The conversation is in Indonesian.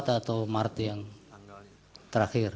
atau marti yang terakhir